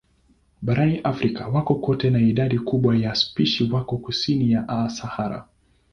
Barani Afrika wako kote na idadi kubwa ya spishi wako kusini ya Sahara.